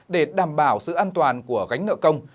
để đảm bảo sự an toàn của gánh nợ công